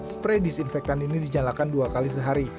spray disinfektan ini dinyalakan dua kali sehari